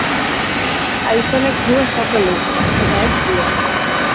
Aditz honek "du" eskatzen du, eta ez "dio".